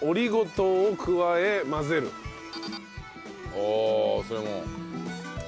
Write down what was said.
おおそれも？